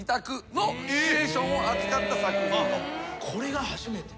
これが初めて。